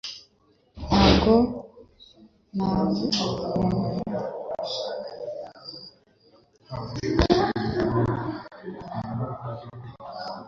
Ntabwo ntongana numuntu hano .